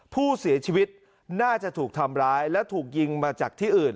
ผู้เสียชีวิตน่าจะถูกทำร้ายและถูกยิงมาจากที่อื่น